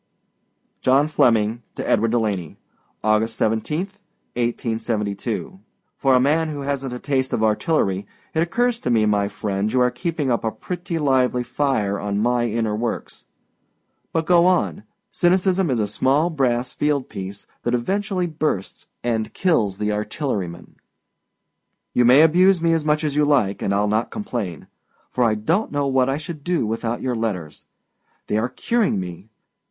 JOHN FLEMMING TO EDWARD DELANEY. August 17, 1872. For a man who hasnât a taste for artillery, it occurs to me, my friend, you are keeping up a pretty lively fire on my inner works. But go on. Cynicism is a small brass field piece that eventually bursts and kills the artilleryman. You may abuse me as much as you like, and Iâll not complain; for I donât know what I should do without your letters. They are curing me.